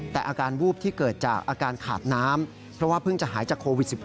แต่อาการวูบที่เกิดจากอาการขาดน้ำเพราะว่าเพิ่งจะหายจากโควิด๑๙